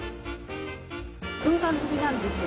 軍艦好きなんですよ、